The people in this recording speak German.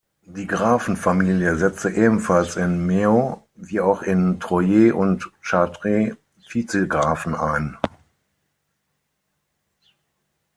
Die Grafenfamilie setzte ebenfalls in Meaux, wie auch in Troyes und Chartres, Vizegrafen ein.